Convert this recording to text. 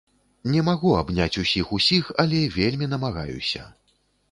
Не магу абняць усіх-усіх, але вельмі намагаюся!